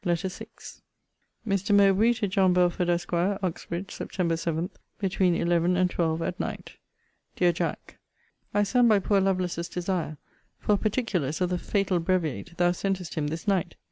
LETTER VI MR. MOWBRAY, TO JOHN BELFORD, ESQ. UXBRIDGE, SEPT. 7, BETWEEN ELEVEN AND TWELVE AT NIGHT. DEAR JACK, I send by poor Lovelace's desire, for particulars of the fatal breviate thou sentest him this night.